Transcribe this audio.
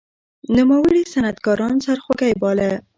نوموړي صنعتکاران سرخوږی باله.